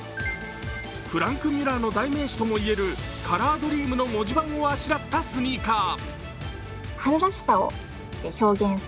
フランクミュラーの代名詞ともいえるカラードリームの文字盤をあしらったスニーカー。